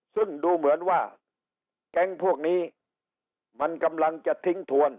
ซึ่งดูเหมือนว่าแก๊งพวกนี้มันกำลังจะทิ้งทวน